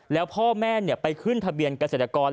แล้วพ่อแม่ไปขึ้นทะเบียนเกษตรกร